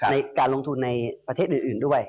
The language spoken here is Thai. ในการลงทุนในประเทศอื่นด้วย